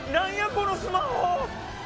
このスマホ。